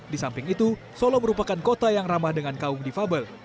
di samping itu solo merupakan kota yang ramah dengan kaum difabel